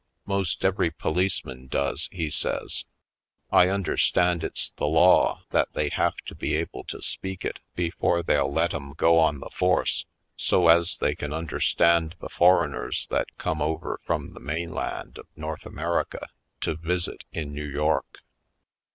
" 'Most every policeman does," he says, "I understand it's the law that they have to be able to speak it before they'll let 'em go on the force, so as they can understand the foreigners that come over from the main land of North America to visit in New York."